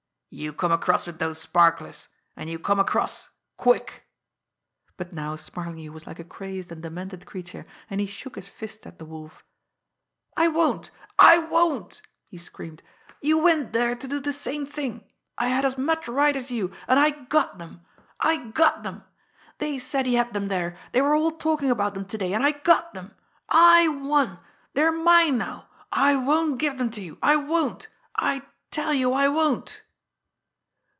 "You come across with those sparklers, and you come across quick!" But now Smarlinghue was like a crazed and demented creature, and he shook his fists at the Wolf. "I won't! I won't!" he screamed. "You went there to do the same thing! I had as much right as you! And I got them I got them! They said he had them there, they were all talking about them to day, and I got them! I won! They're mine now! I won't give them to you! I won't! I tell you, I won't!"